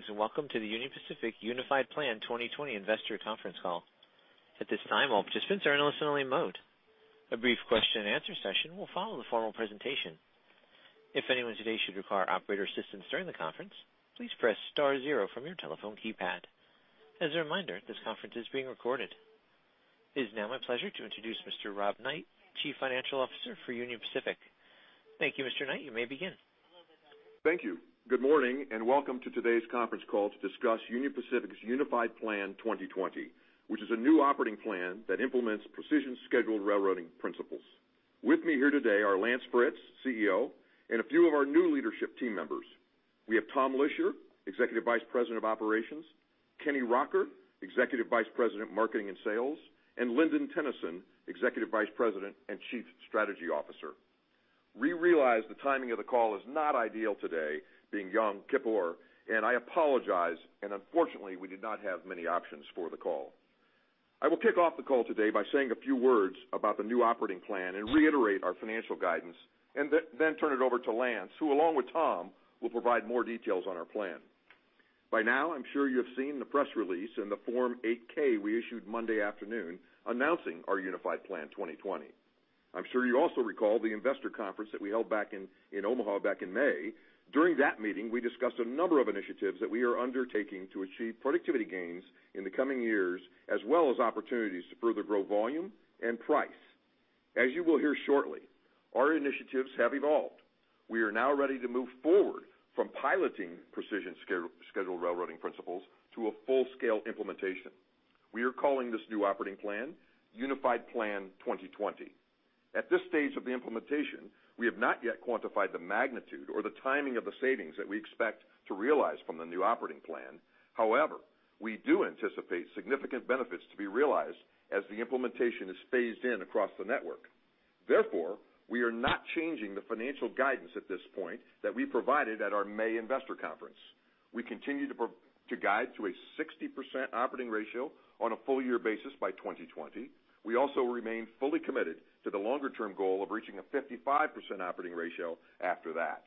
Greetings, welcome to the Union Pacific Unified Plan 2020 investor conference call. At this time, all participants are in listen-only mode. A brief question and answer session will follow the formal presentation. If anyone today should require operator assistance during the conference, please press star zero from your telephone keypad. As a reminder, this conference is being recorded. It is now my pleasure to introduce Mr. Robert Knight, Chief Financial Officer for Union Pacific. Thank you, Mr. Knight. You may begin. Thank you. Good morning, welcome to today's conference call to discuss Union Pacific's Unified Plan 2020, which is a new operating plan that implements Precision Scheduled Railroading principles. With me here today are Lance Fritz, CEO, and a few of our new leadership team members. We have Thomas Lischer, Executive Vice President of Operations, Kenny Rocker, Executive Vice President, Marketing and Sales, and Lynden Tennison, Executive Vice President and Chief Strategy Officer. We realize the timing of the call is not ideal today, being Yom Kippur, I apologize, unfortunately, we did not have many options for the call. I will kick off the call today by saying a few words about the new operating plan, reiterate our financial guidance, turn it over to Lance, who along with Tom, will provide more details on our plan. By now, I'm sure you have seen the press release in the Form 8-K we issued Monday afternoon announcing our Unified Plan 2020. I'm sure you also recall the investor conference that we held back in Omaha back in May. During that meeting, we discussed a number of initiatives that we are undertaking to achieve productivity gains in the coming years, as well as opportunities to further grow volume and price. As you will hear shortly, our initiatives have evolved. We are now ready to move forward from piloting Precision Scheduled Railroading principles to a full-scale implementation. We are calling this new operating plan Unified Plan 2020. At this stage of the implementation, we have not yet quantified the magnitude or the timing of the savings that we expect to realize from the new operating plan. We do anticipate significant benefits to be realized as the implementation is phased in across the network. We are not changing the financial guidance at this point that we provided at our May investor conference. We continue to guide to a 60% operating ratio on a full-year basis by 2020. We also remain fully committed to the longer-term goal of reaching a 55% operating ratio after that.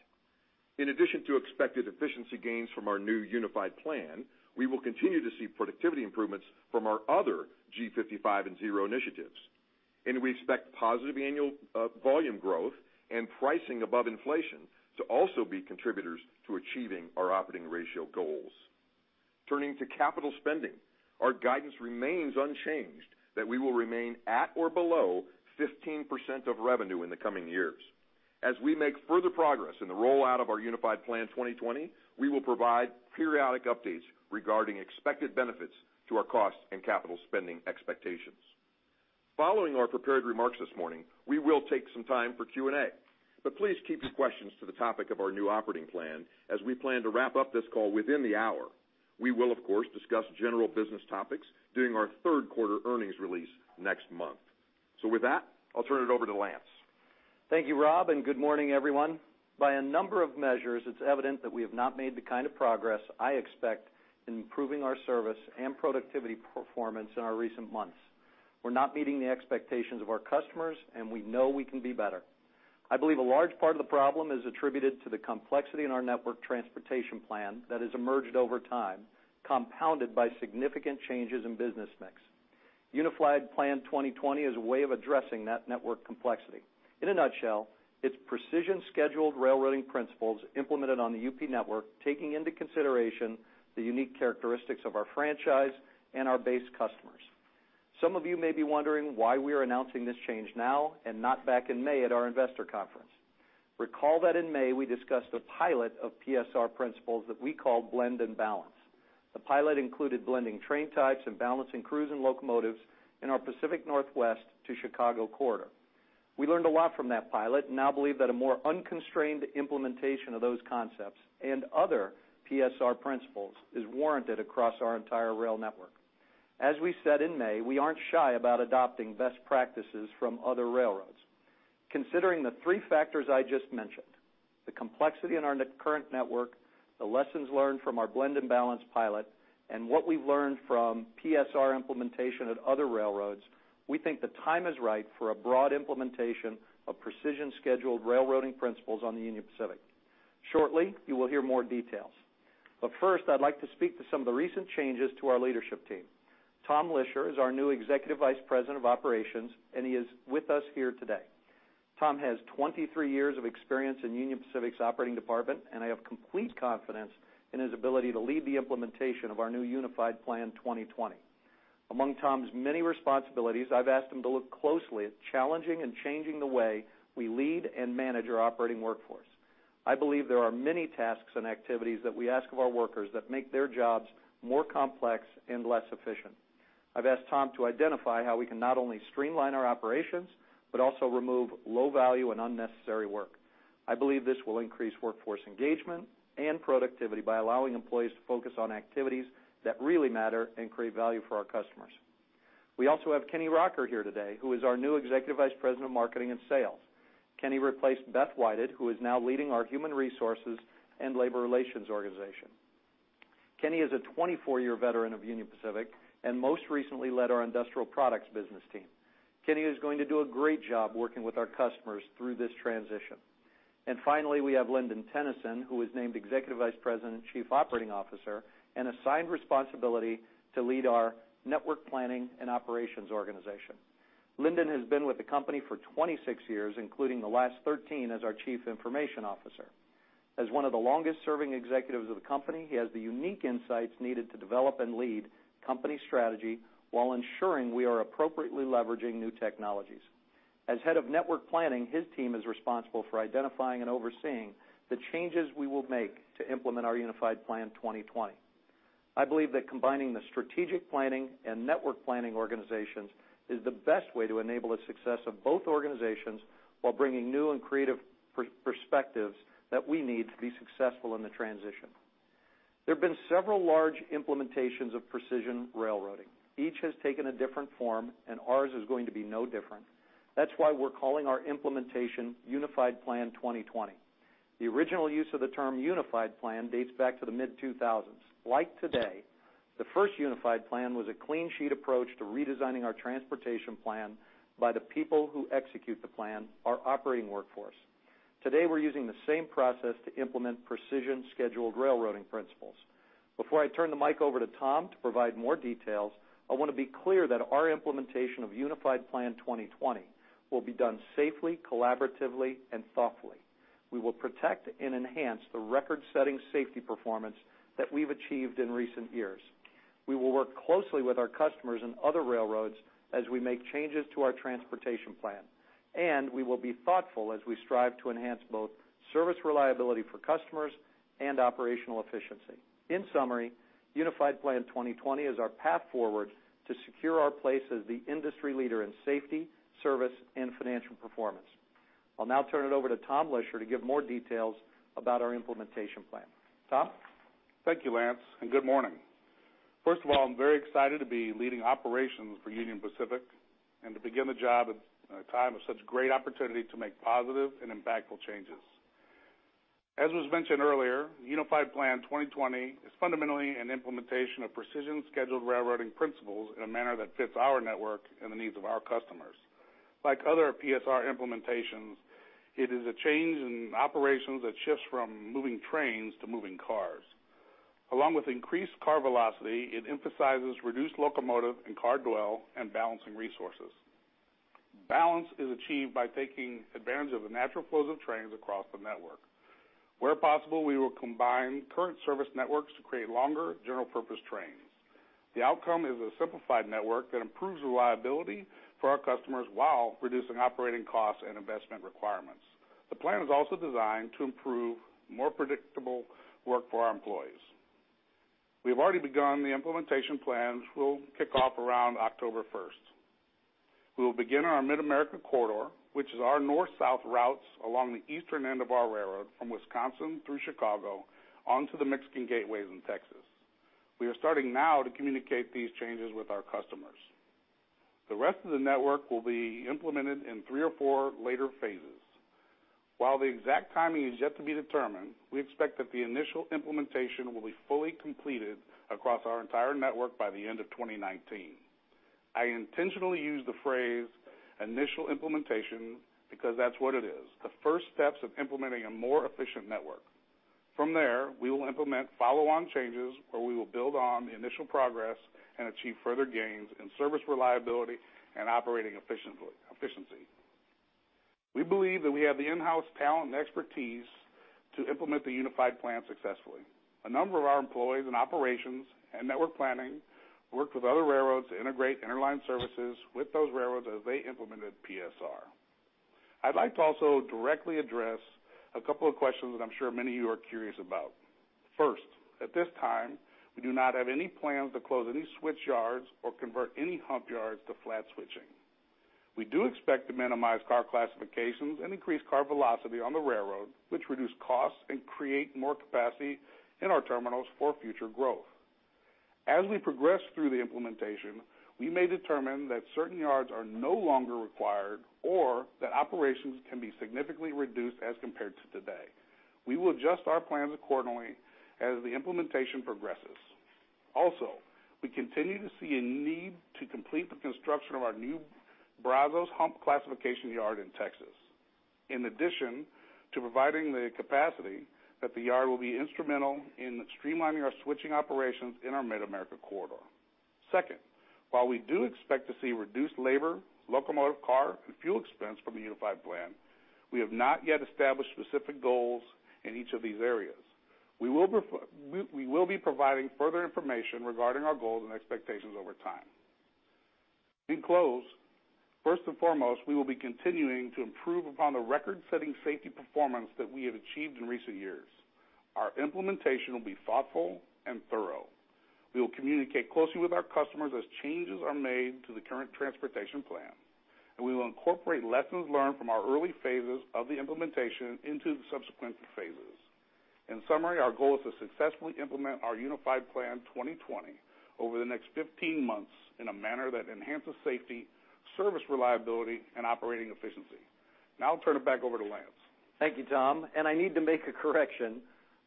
In addition to expected efficiency gains from our new Unified Plan, we will continue to see productivity improvements from our other G55 and Zero initiatives, we expect positive annual volume growth and pricing above inflation to also be contributors to achieving our operating ratio goals. Turning to capital spending, our guidance remains unchanged that we will remain at or below 15% of revenue in the coming years. As we make further progress in the rollout of our Unified Plan 2020, we will provide periodic updates regarding expected benefits to our cost and capital spending expectations. Following our prepared remarks this morning, we will take some time for Q&A. Please keep your questions to the topic of our new operating plan, as we plan to wrap up this call within the hour. We will, of course, discuss general business topics during our third-quarter earnings release next month. With that, I'll turn it over to Lance. Thank you, Rob, good morning, everyone. By a number of measures, it's evident that we have not made the kind of progress I expect in improving our service and productivity performance in our recent months. We're not meeting the expectations of our customers, and we know we can do better. I believe a large part of the problem is attributed to the complexity in our network transportation plan that has emerged over time, compounded by significant changes in business mix. Unified Plan 2020 is a way of addressing that network complexity. In a nutshell, it's precision scheduled railroading principles implemented on the UP network, taking into consideration the unique characteristics of our franchise and our base customers. Some of you may be wondering why we are announcing this change now and not back in May at our investor conference. Recall that in May, we discussed a pilot of PSR principles that we call Blend and Balance. The pilot included blending train types and balancing crews and locomotives in our Pacific Northwest to Chicago corridor. We learned a lot from that pilot and now believe that a more unconstrained implementation of those concepts and other PSR principles is warranted across our entire rail network. We said in May, we aren't shy about adopting best practices from other railroads. Considering the three factors I just mentioned, the complexity in our current network, the lessons learned from our Blend and Balance pilot, and what we've learned from PSR implementation at other railroads, we think the time is right for a broad implementation of precision scheduled railroading principles on the Union Pacific. Shortly, you will hear more details. First, I'd like to speak to some of the recent changes to our leadership team. Thomas Lischer is our new Executive Vice President of Operations, and he is with us here today. Tom has 23 years of experience in Union Pacific's operating department, and I have complete confidence in his ability to lead the implementation of our new Unified Plan 2020. Among Tom's many responsibilities, I've asked him to look closely at challenging and changing the way we lead and manage our operating workforce. I believe there are many tasks and activities that we ask of our workers that make their jobs more complex and less efficient. I've asked Tom to identify how we can not only streamline our operations but also remove low-value and unnecessary work. I believe this will increase workforce engagement and productivity by allowing employees to focus on activities that really matter and create value for our customers. We also have Kenny Rocker here today, who is our new Executive Vice President of Marketing and Sales. Kenny replaced Beth Whited, who is now leading our human resources and labor relations organization. Kenny is a 24-year veteran of Union Pacific and most recently led our Industrial Products Business Team. Finally, we have Lynden Tennison, who was named Executive Vice President and Chief Operating Officer, and assigned responsibility to lead our network planning and operations organization. Lynden has been with the company for 26 years, including the last 13 as our Chief Information Officer. As one of the longest-serving executives of the company, he has the unique insights needed to develop and lead company strategy while ensuring we are appropriately leveraging new technologies. As head of network planning, his team is responsible for identifying and overseeing the changes we will make to implement our Unified Plan 2020. I believe that combining the strategic planning and network planning organizations is the best way to enable the success of both organizations while bringing new and creative perspectives that we need to be successful in the transition. There have been several large implementations of Precision Railroading. Each has taken a different form, and ours is going to be no different. That's why we're calling our implementation Unified Plan 2020. The original use of the term Unified Plan dates back to the mid-2000s. Like today, the first Unified Plan was a clean sheet approach to redesigning our transportation plan by the people who execute the plan, our operating workforce. Today, we're using the same process to implement Precision Scheduled Railroading principles. Before I turn the mic over to Tom to provide more details, I want to be clear that our implementation of Unified Plan 2020 will be done safely, collaboratively, and thoughtfully. We will protect and enhance the record-setting safety performance that we've achieved in recent years. We will work closely with our customers and other railroads as we make changes to our transportation plan, and we will be thoughtful as we strive to enhance both service reliability for customers and operational efficiency. In summary, Unified Plan 2020 is our path forward to secure our place as the industry leader in safety, service, and financial performance. I'll now turn it over to Thomas Lischer to give more details about our implementation plan. Tom? Thank you, Lance, and good morning. First of all, I'm very excited to be leading operations for Union Pacific and to begin the job at a time of such great opportunity to make positive and impactful changes. As was mentioned earlier, Unified Plan 2020 is fundamentally an implementation of Precision Scheduled Railroading principles in a manner that fits our network and the needs of our customers. Like other PSR implementations, it is a change in operations that shifts from moving trains to moving cars. Along with increased car velocity, it emphasizes reduced locomotive and car dwell and balancing resources. Balance is achieved by taking advantage of the natural flows of trains across the network. Where possible, we will combine current service networks to create longer general-purpose trains. The outcome is a simplified network that improves reliability for our customers while reducing operating costs and investment requirements. The plan is also designed to improve more predictable work for our employees. We have already begun the implementation plans, which will kick off around October 1st. We will begin our Mid-America corridor, which is our north-south routes along the eastern end of our railroad from Wisconsin through Chicago on to the Mexican gateways in Texas. We are starting now to communicate these changes with our customers. The rest of the network will be implemented in three or four later phases. While the exact timing is yet to be determined, we expect that the initial implementation will be fully completed across our entire network by the end of 2019. I intentionally use the phrase initial implementation because that's what it is, the first steps of implementing a more efficient network. From there, we will implement follow-on changes where we will build on the initial progress and achieve further gains in service reliability and operating efficiency. We believe that we have the in-house talent and expertise to implement the Unified Plan successfully. A number of our employees in operations and network planning worked with other railroads to integrate interline services with those railroads as they implemented PSR. I'd like to also directly address a couple of questions that I'm sure many of you are curious about. First, at this time, we do not have any plans to close any switch yards or convert any hump yards to flat switching. We do expect to minimize car classifications and increase car velocity on the railroad, which reduce costs and create more capacity in our terminals for future growth. As we progress through the implementation, we may determine that certain yards are no longer required or that operations can be significantly reduced as compared to today. We will adjust our plans accordingly as the implementation progresses. Also, we continue to see a need to complete the construction of our new Brazos Hump Classification Yard in Texas. In addition to providing the capacity that the yard will be instrumental in streamlining our switching operations in our Mid-America corridor. Second, while we do expect to see reduced labor, locomotive car, and fuel expense from the Unified Plan, we have not yet established specific goals in each of these areas. We will be providing further information regarding our goals and expectations over time. In close, first and foremost, we will be continuing to improve upon the record-setting safety performance that we have achieved in recent years. Our implementation will be thoughtful and thorough. We will communicate closely with our customers as changes are made to the current transportation plan, and we will incorporate lessons learned from our early phases of the implementation into the subsequent phases. In summary, our goal is to successfully implement our Unified Plan 2020 over the next 15 months in a manner that enhances safety, service reliability, and operating efficiency. I'll turn it back over to Lance. Thank you, Tom. I need to make a correction.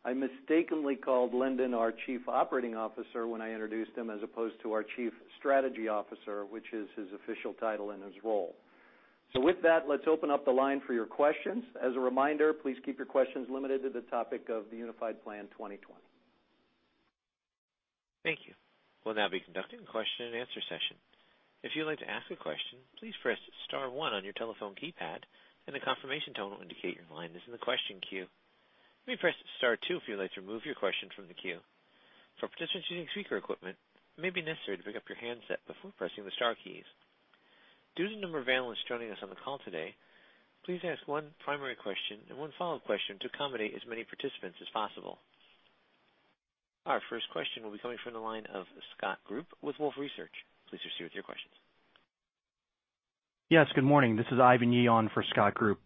I mistakenly called Lynden our Chief Operating Officer when I introduced him as opposed to our Chief Strategy Officer, which is his official title and his role. With that, let's open up the line for your questions. As a reminder, please keep your questions limited to the topic of the Unified Plan 2020. Thank you. We'll now be conducting a question and answer session. If you'd like to ask a question, please press *1 on your telephone keypad and a confirmation tone will indicate your line is in the question queue. You may press *2 if you'd like to remove your question from the queue. For participants using speaker equipment, it may be necessary to pick up your handset before pressing the star keys. Due to the number of analysts joining us on the call today, please ask one primary question and one follow-up question to accommodate as many participants as possible. Our first question will be coming from the line of Scott Group with Wolfe Research. Please proceed with your questions. Yes, good morning. This is Ivan Yi on for Scott Group.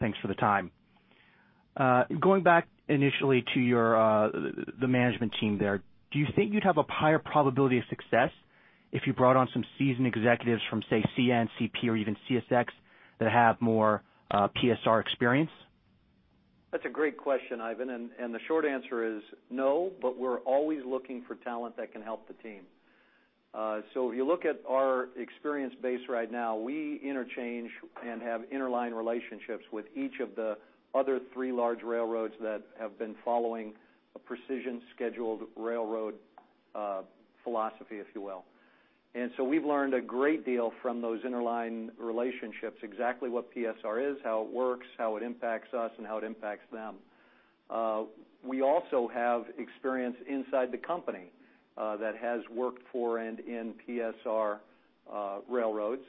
Thanks for the time. Going back initially to the management team there, do you think you'd have a higher probability of success if you brought on some seasoned executives from, say, CN, CP, or even CSX that have more PSR experience? That's a great question, Ivan. The short answer is no, but we're always looking for talent that can help the team. If you look at our experience base right now, we interchange and have interline relationships with each of the other three large railroads that have been following a Precision Scheduled Railroading philosophy, if you will. We've learned a great deal from those interline relationships, exactly what PSR is, how it works, how it impacts us, and how it impacts them. We also have experience inside the company that has worked for and in PSR railroads,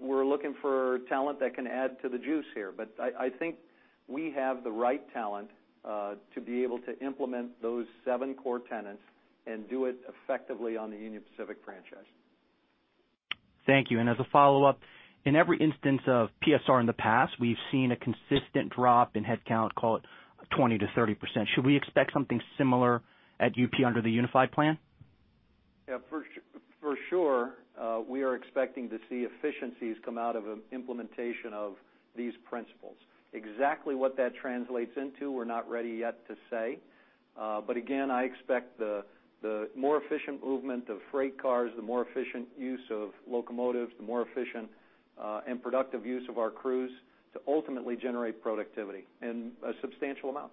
we're looking for talent that can add to the juice here. I think we have the right talent to be able to implement those seven core tenets and do it effectively on the Union Pacific franchise. Thank you. As a follow-up, in every instance of PSR in the past, we've seen a consistent drop in headcount, call it 20%-30%. Should we expect something similar at UP under the Unified Plan? Yeah, for sure we are expecting to see efficiencies come out of an implementation of these principles. Exactly what that translates into, we're not ready yet to say. Again, I expect the more efficient movement of freight cars, the more efficient use of locomotives, the more efficient and productive use of our crews to ultimately generate productivity in a substantial amount.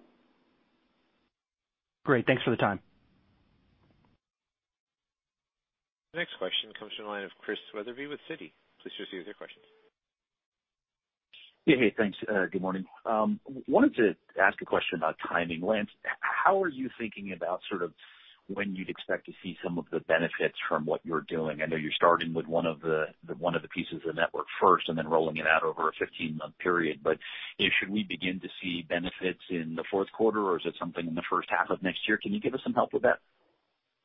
Great. Thanks for the time. Next question comes from the line of Chris Wetherbee with Citi. Please proceed with your question. Yeah, hey, thanks. Good morning. Wanted to ask a question about timing. Lance, how are you thinking about when you'd expect to see some of the benefits from what you're doing? I know you're starting with one of the pieces of the network first and then rolling it out over a 15-month period. Should we begin to see benefits in the fourth quarter, or is it something in the first half of next year? Can you give us some help with that?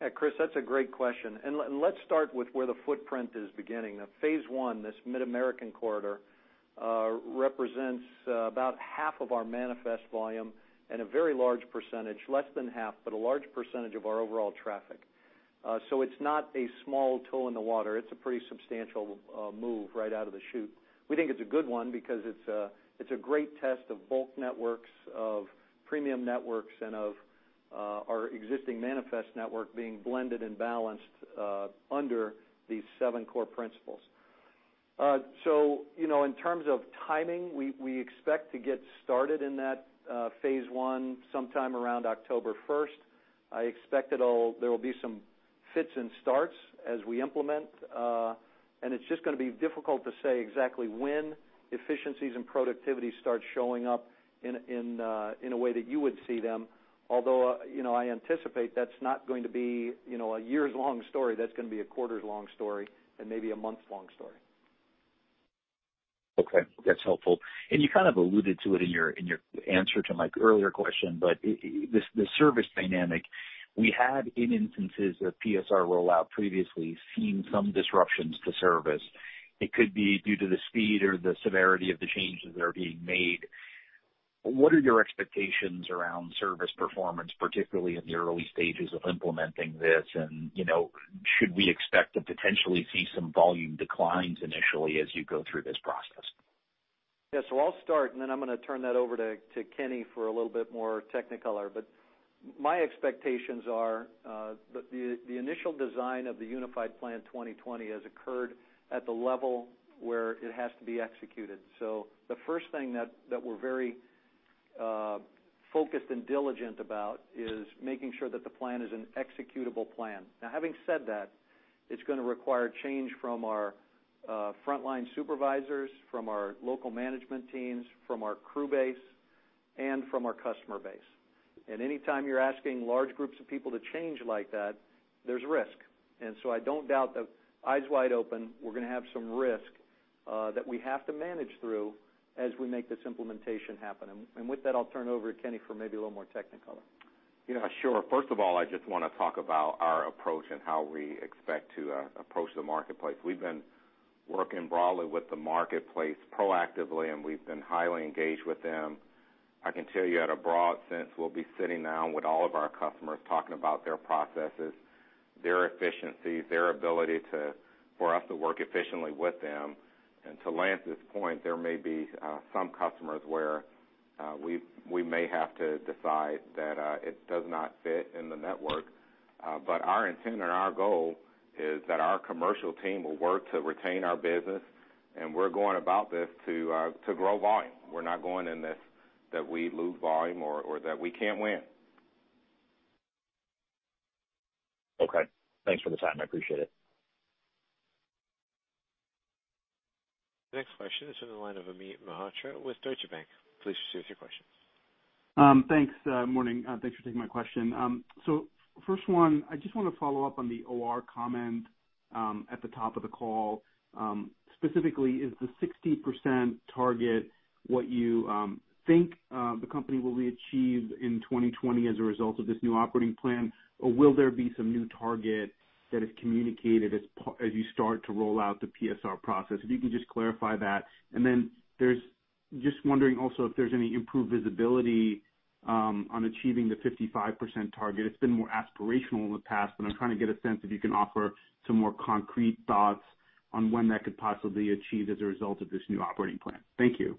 Yeah, Chris, that's a great question. Let's start with where the footprint is beginning. Phase one, this Mid-America corridor, represents about half of our manifest volume and a very large percentage, less than half, but a large percentage of our overall traffic. It's not a small toe in the water. It's a pretty substantial move right out of the chute. We think it's a good one because it's a great test of bulk networks, of premium networks, and of our existing manifest network being Blend and Balance under these seven core principles. In terms of timing, we expect to get started in that phase one sometime around October 1st. I expect there will be some fits and starts as we implement. It's just going to be difficult to say exactly when efficiencies and productivity start showing up in a way that you would see them. Although, I anticipate that's not going to be a years-long story. That's going to be a quarters-long story and maybe a months-long story. Okay. That's helpful. You kind of alluded to it in your answer to my earlier question, but the service dynamic we had in instances of PSR rollout previously seen some disruptions to service. It could be due to the speed or the severity of the changes that are being made. What are your expectations around service performance, particularly in the early stages of implementing this? Should we expect to potentially see some volume declines initially as you go through this process? Yeah. I'll start, then I'm going to turn that over to Kenny for a little bit more technicolor. My expectations are the initial design of the Unified Plan 2020 has occurred at the level where it has to be executed. The first thing that we're very focused and diligent about is making sure that the plan is an executable plan. Now, having said that, it's going to require change from our frontline supervisors, from our local management teams, from our crew base, and from our customer base. Anytime you're asking large groups of people to change like that, there's risk. I don't doubt that eyes wide open, we're going to have some risk that we have to manage through as we make this implementation happen. With that, I'll turn it over to Kenny for maybe a little more technicolor. Yeah, sure. First of all, I just want to talk about our approach and how we expect to approach the marketplace. We've been working broadly with the marketplace proactively, we've been highly engaged with them I can tell you at a broad sense, we'll be sitting down with all of our customers, talking about their processes, their efficiencies, their ability for us to work efficiently with them. To Lance's point, there may be some customers where we may have to decide that it does not fit in the network. Our intent and our goal is that our commercial team will work to retain our business, we're going about this to grow volume. We're not going in this that we lose volume or that we can't win. Okay. Thanks for the time. I appreciate it. The next question is on the line of Amit Mehrotra with Deutsche Bank. Please proceed with your questions. Thanks. Morning. Thanks for taking my question. First one, I just want to follow up on the OR comment, at the top of the call. Specifically, is the 60% target what you think the company will achieve in 2020 as a result of this new operating plan? Will there be some new target that is communicated as you start to roll out the PSR process? If you can just clarify that. Then just wondering also if there's any improved visibility on achieving the 55% target. It's been more aspirational in the past, but I'm trying to get a sense if you can offer some more concrete thoughts on when that could possibly achieve as a result of this new operating plan. Thank you.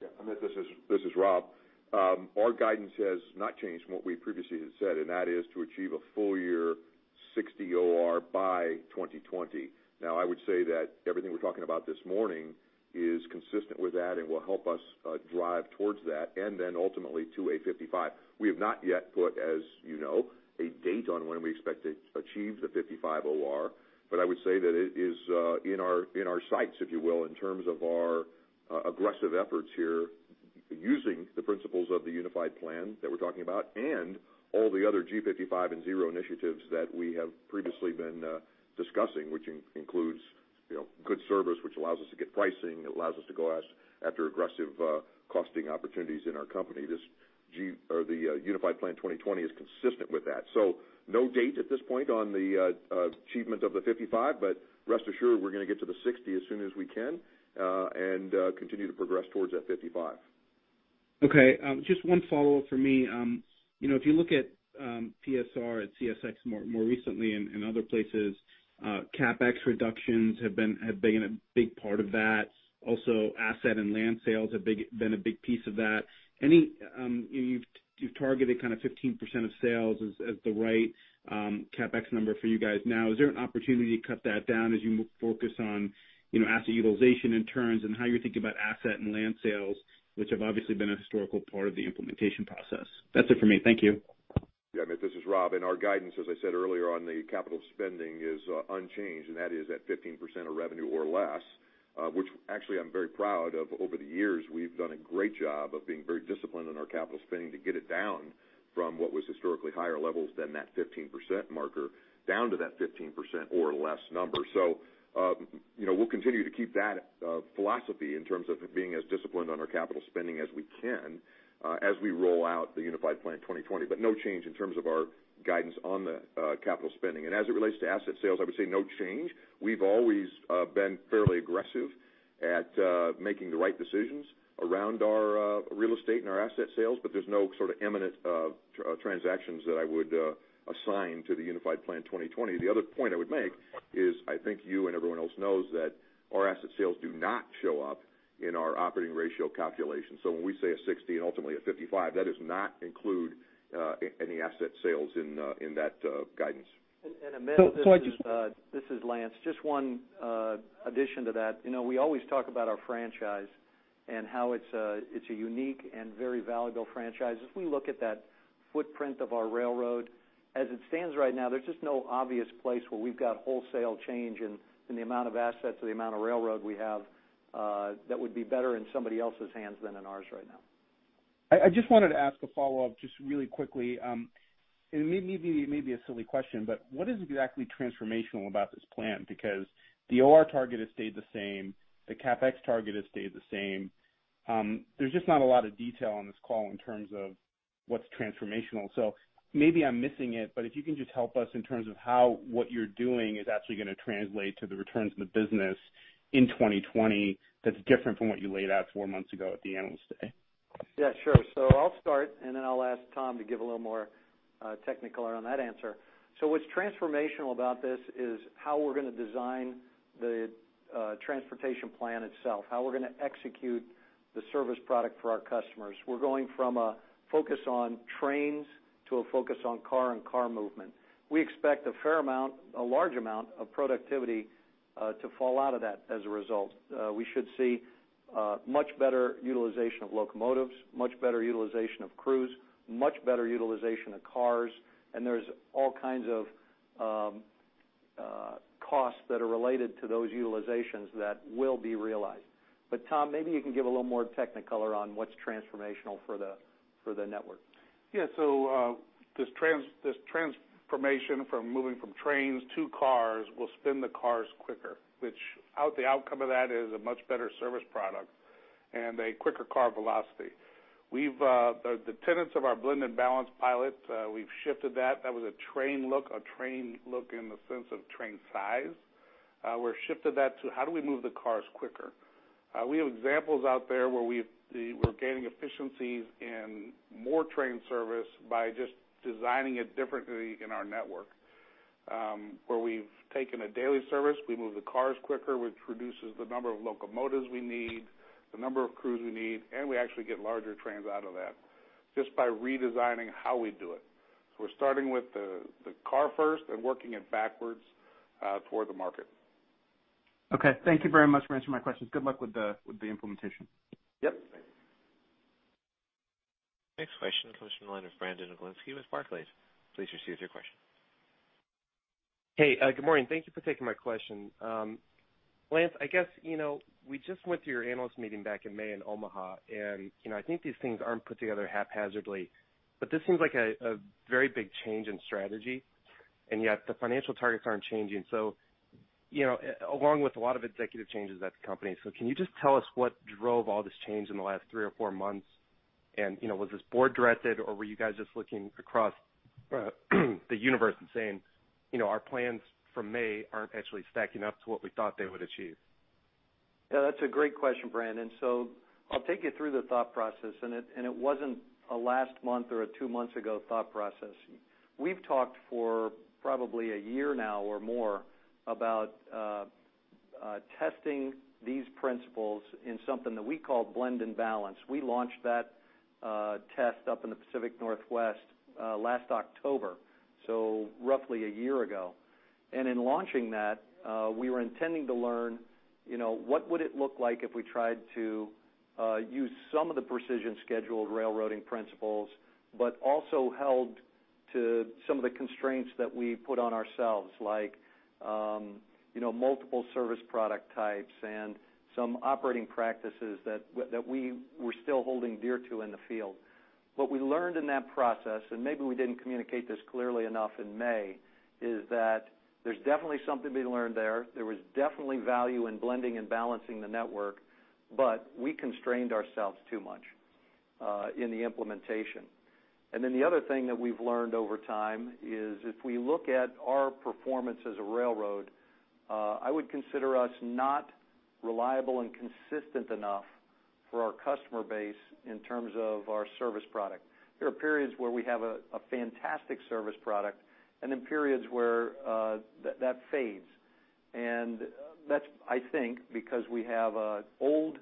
Yeah, Amit, this is Rob. Our guidance has not changed from what we previously had said, and that is to achieve a full year 60% OR by 2020. I would say that everything we're talking about this morning is consistent with that and will help us drive towards that, and then ultimately to a 55%. We have not yet put, as you know, a date on when we expect to achieve the 55% OR. I would say that it is in our sights, if you will, in terms of our aggressive efforts here, using the principles of the Unified Plan that we're talking about and all the other G55 and Zero initiatives that we have previously been discussing, which includes good service, which allows us to get pricing, it allows us to go after aggressive costing opportunities in our company. The Unified Plan 2020 is consistent with that. No date at this point on the achievement of the 55, but rest assured we're going to get to the 60 as soon as we can, and continue to progress towards that 55. Okay. Just one follow-up from me. If you look at PSR at CSX more recently and other places, CapEx reductions have been a big part of that. Also, asset and land sales have been a big piece of that. You've targeted 15% of sales as the right CapEx number for you guys now. Is there an opportunity to cut that down as you focus on asset utilization and turns and how you're thinking about asset and land sales, which have obviously been a historical part of the implementation process? That's it for me. Thank you. Yeah, Amit, this is Rob, our guidance, as I said earlier on the capital spending, is unchanged, and that is at 15% of revenue or less, which actually I'm very proud of. Over the years, we've done a great job of being very disciplined in our capital spending to get it down from what was historically higher levels than that 15% marker, down to that 15% or less number. We'll continue to keep that philosophy in terms of being as disciplined on our capital spending as we can, as we roll out the Unified Plan 2020. No change in terms of our guidance on the capital spending. As it relates to asset sales, I would say no change. We've always been fairly aggressive at making the right decisions around our real estate and our asset sales, but there's no sort of imminent transactions that I would assign to the Unified Plan 2020. The other point I would make is I think you and everyone else knows that our asset sales do not show up in our operating ratio calculation. When we say a 60 and ultimately a 55, that does not include any asset sales in that guidance. Amit. So I just- This is Lance. Just one addition to that. We always talk about our franchise and how it's a unique and very valuable franchise. If we look at that footprint of our railroad, as it stands right now, there's just no obvious place where we've got wholesale change in the amount of assets or the amount of railroad we have, that would be better in somebody else's hands than in ours right now. I just wanted to ask a follow-up, just really quickly. It may be a silly question, but what is exactly transformational about this plan? Because the OR target has stayed the same, the CapEx target has stayed the same. There's just not a lot of detail on this call in terms of what's transformational. Maybe I'm missing it, but if you can just help us in terms of how what you're doing is actually going to translate to the returns in the business in 2020 that's different from what you laid out four months ago at the Analyst Day. Sure. I'll start, and then I'll ask Tom to give a little more technical on that answer. What's transformational about this is how we're going to design the transportation plan itself, how we're going to execute the service product for our customers. We're going from a focus on trains to a focus on car and car movement. We expect a fair amount, a large amount of productivity, to fall out of that as a result. We should see much better utilization of locomotives, much better utilization of crews, much better utilization of cars, and there's all kinds of costs that are related to those utilizations that will be realized. Tom, maybe you can give a little more technical on what's transformational for the network. This transformation from moving from trains to cars will spin the cars quicker. The outcome of that is a much better service product and a quicker car velocity. The tenets of our Blend and Balance pilot, we've shifted that. That was a train look in the sense of train size. We've shifted that to how do we move the cars quicker? We have examples out there where we're gaining efficiencies in more train service by just designing it differently in our network. Where we've taken a daily service, we move the cars quicker, which reduces the number of locomotives we need, the number of crews we need, and we actually get larger trains out of that just by redesigning how we do it. We're starting with the car first and working it backwards toward the market. Thank you very much for answering my questions. Good luck with the implementation. Yep. Next question comes from the line of Brandon Oglenski with Barclays. Please proceed with your question. Hey, good morning. Thank you for taking my question. Lance, I guess, we just went to your analyst meeting back in May in Omaha, and I think these things aren't put together haphazardly, but this seems like a very big change in strategy, yet the financial targets aren't changing. Along with a lot of executive changes at the company, can you just tell us what drove all this change in the last three or four months? Was this board-directed, or were you guys just looking across the universe and saying, "Our plans from May aren't actually stacking up to what we thought they would achieve? Yeah, that's a great question, Brandon. I'll take you through the thought process, and it wasn't a last month or a two months ago thought process. We've talked for probably a year now or more about testing these principles in something that we call Blend and Balance. We launched that test up in the Pacific Northwest last October, roughly a year ago. In launching that, we were intending to learn what would it look like if we tried to use some of the Precision Scheduled Railroading principles, but also held to some of the constraints that we put on ourselves, like multiple service product types and some operating practices that we were still holding dear to in the field. What we learned in that process, and maybe we didn't communicate this clearly enough in May, is that there's definitely something to be learned there. There was definitely value in blending and balancing the network, but we constrained ourselves too much in the implementation. The other thing that we've learned over time is if we look at our performance as a railroad, I would consider us not reliable and consistent enough for our customer base in terms of our service product. There are periods where we have a fantastic service product then periods where that fades. That's, I think, because we have an old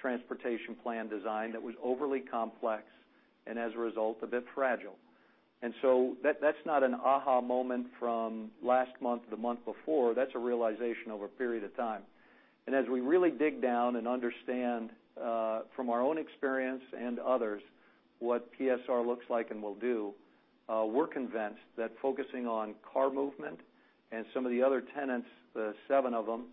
transportation plan design that was overly complex, and as a result, a bit fragile. That's not an aha moment from last month or the month before. That's a realization over a period of time. As we really dig down and understand, from our own experience and others, what PSR looks like and will do, we're convinced that focusing on car movement and some of the other tenets, the seven of them,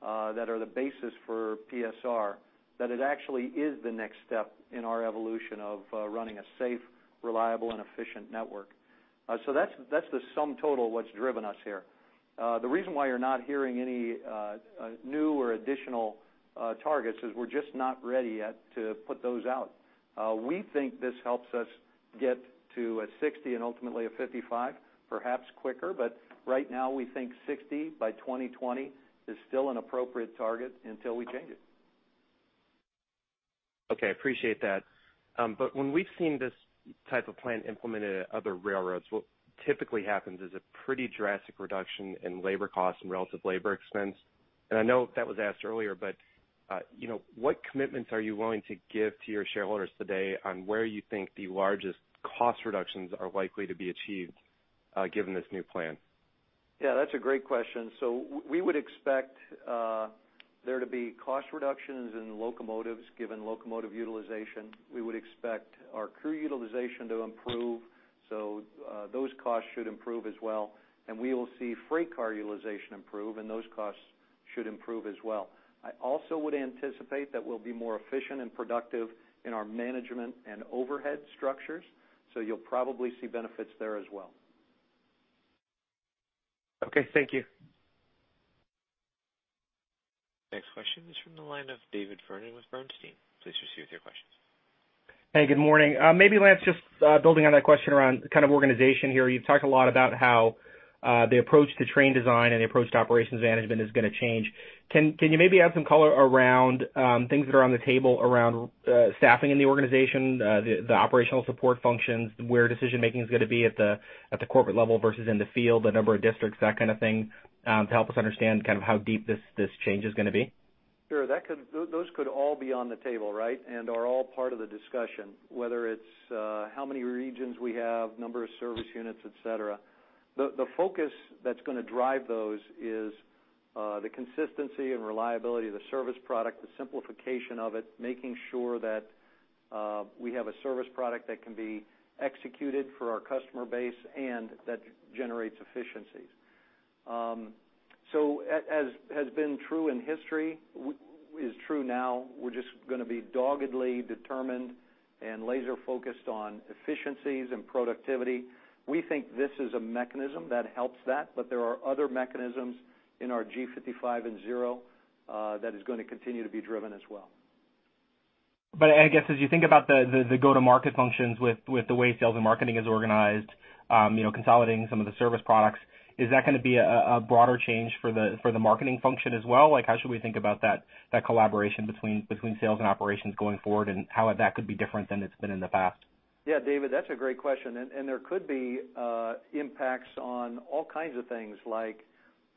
that are the basis for PSR, that it actually is the next step in our evolution of running a safe, reliable, and efficient network. That's the sum total of what's driven us here. The reason why you're not hearing any new or additional targets is we're just not ready yet to put those out. We think this helps us get to a 60 and ultimately a 55, perhaps quicker, but right now, we think 60 by 2020 is still an appropriate target until we change it. Okay, appreciate that. When we've seen this type of plan implemented at other railroads, what typically happens is a pretty drastic reduction in labor costs and relative labor expense. I know that was asked earlier, but what commitments are you willing to give to your shareholders today on where you think the largest cost reductions are likely to be achieved given this new plan? Yeah, that's a great question. We would expect there to be cost reductions in locomotives, given locomotive utilization. We would expect our crew utilization to improve, those costs should improve as well. We will see freight car utilization improve, and those costs should improve as well. I also would anticipate that we'll be more efficient and productive in our management and overhead structures, you'll probably see benefits there as well. Okay, thank you. Next question is from the line of David Vernon with Bernstein. Please proceed with your questions. Hey, good morning. Maybe, Lance, just building on that question around kind of organization here. You've talked a lot about how the approach to train design and the approach to operations management is going to change. Can you maybe add some color around things that are on the table around staffing in the organization, the operational support functions, where decision-making is going to be at the corporate level versus in the field, the number of districts, that kind of thing, to help us understand how deep this change is going to be? Sure. Those could all be on the table, right? Are all part of the discussion, whether it's how many regions we have, number of service units, et cetera. The focus that's going to drive those is the consistency and reliability of the service product, the simplification of it, making sure that we have a service product that can be executed for our customer base and that generates efficiencies. As has been true in history, is true now, we're just going to be doggedly determined and laser-focused on efficiencies and productivity. We think this is a mechanism that helps that, but there are other mechanisms in our G55 and Zero, that is going to continue to be driven as well. I guess as you think about the go-to-market functions with the way sales and marketing is organized, consolidating some of the service products, is that going to be a broader change for the marketing function as well? How should we think about that collaboration between sales and operations going forward and how that could be different than it's been in the past? David, that's a great question. There could be impacts on all kinds of things like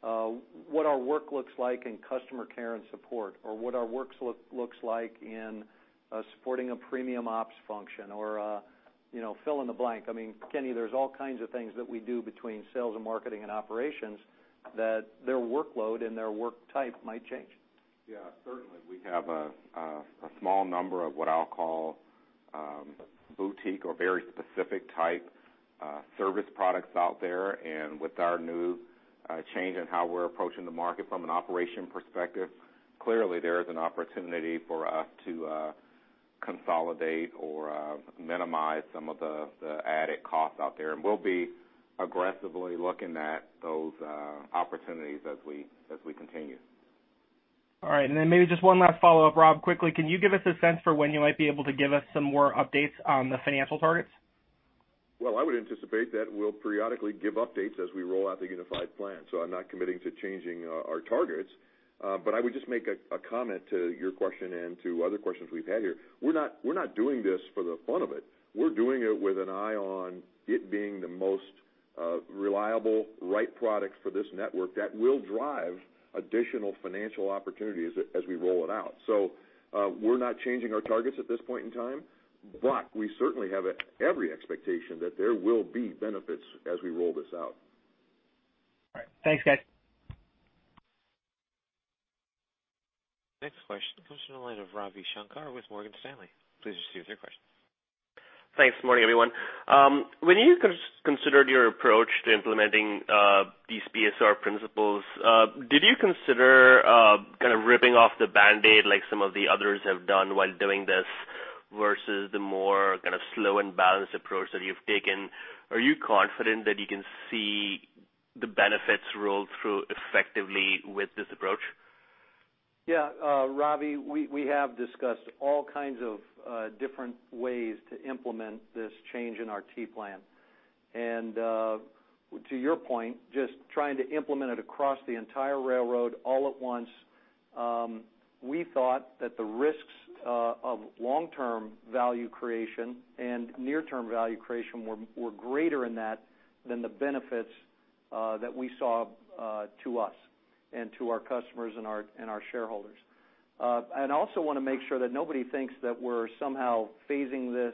what our work looks like in customer care and support, or what our works looks like in supporting a premium ops function or fill in the blank. Kenny, there's all kinds of things that we do between sales and marketing and operations that their workload and their work type might change. Certainly. We have a small number of what I'll call boutique or very specific type service products out there, with our new change in how we're approaching the market from an operation perspective, clearly there is an opportunity for us to consolidate or minimize some of the added costs out there, we'll be aggressively looking at those opportunities as we continue. All right, then maybe just one last follow-up, Rob, quickly, can you give us a sense for when you might be able to give us some more updates on the financial targets? Well, I would anticipate that we'll periodically give updates as we roll out the Unified Plan. I'm not committing to changing our targets. I would just make a comment to your question and to other questions we've had here. We're not doing this for the fun of it. We're doing it with an eye on it being the most reliable, right product for this network that will drive additional financial opportunities as we roll it out. We're not changing our targets at this point in time, we certainly have every expectation that there will be benefits as we roll this out. All right. Thanks, guys. Next question comes from the line of Ravi Shanker with Morgan Stanley. Please proceed with your question. Thanks. Morning, everyone. When you considered your approach to implementing these PSR principles, did you consider ripping off the Band-Aid like some of the others have done while doing this versus the more slow and balanced approach that you've taken? Are you confident that you can see the benefits roll through effectively with this approach? Ravi, we have discussed all kinds of different ways to implement this change in our transportation plan. To your point, just trying to implement it across the entire railroad all at once, we thought that the risks of long-term value creation and near-term value creation were greater in that than the benefits that we saw to us and to our customers and our shareholders. I also want to make sure that nobody thinks that we're somehow phasing this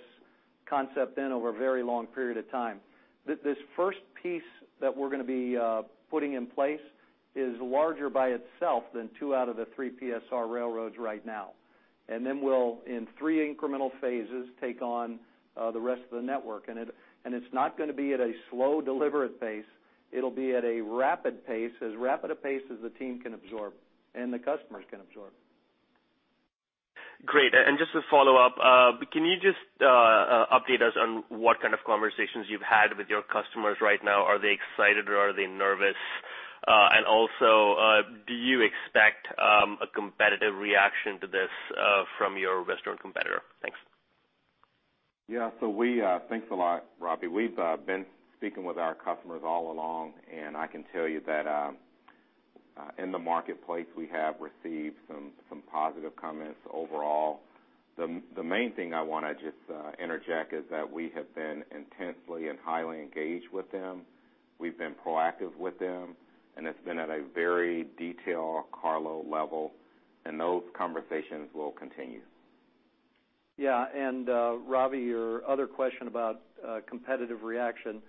concept in over a very long period of time. This first piece that we're going to be putting in place is larger by itself than two out of the three PSR railroads right now. Then we'll, in three incremental phases, take on the rest of the network. It's not going to be at a slow, deliberate pace. It'll be at a rapid pace, as rapid a pace as the team can absorb and the customers can absorb. Great. Just to follow up, can you just update us on what kind of conversations you've had with your customers right now? Are they excited, or are they nervous? Also, do you expect a competitive reaction to this from your Western competitor? Thanks. Thanks a lot, Ravi. We've been speaking with our customers all along, I can tell you that in the marketplace, we have received some positive comments overall. The main thing I want to just interject is that we have been intensely and highly engaged with them. We've been proactive with them, it's been at a very detailed car load level, those conversations will continue. Ravi, your other question about competitive reaction.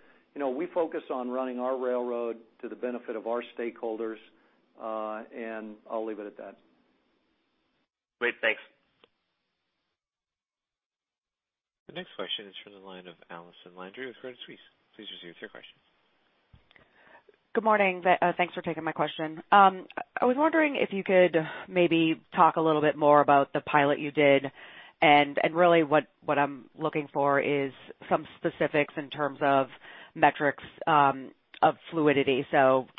We focus on running our railroad to the benefit of our stakeholders, I'll leave it at that. Great. Thanks. The next question is from the line of Allison Landry with Credit Suisse. Please proceed with your question. Good morning. Thanks for taking my question. I was wondering if you could maybe talk a little bit more about the pilot you did, and really what I'm looking for is some specifics in terms of metrics of fluidity.